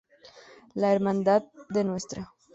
La Hermandad de Ntra.